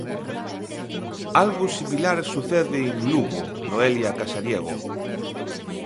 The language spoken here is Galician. Algo similar sucede en Lugo, Noelia Casariego.